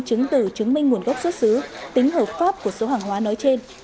chứng từ chứng minh nguồn gốc xuất xứ tính hợp pháp của số hàng hóa nói trên